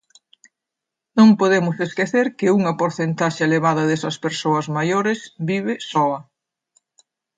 Non podemos esquecer que unha porcentaxe elevada desas persoas maiores vive soa.